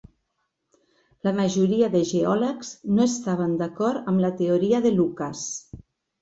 La majoria de geòlegs no estaven d'acord amb la teoria de Lucas.